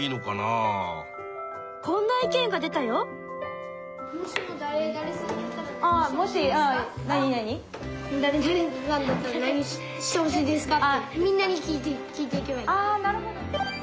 ああなるほど。